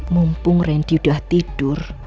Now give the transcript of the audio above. mumpung randy udah tidur